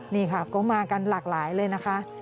นี่ค่ะก็มากันหลากหลายเลยนะคะ